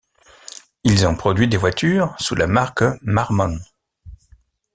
Ils ont produit des voitures sous la marque Marmon.